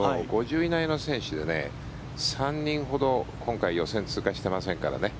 ５０位以内の選手で３人ほど今回、予選を通過していませんからね。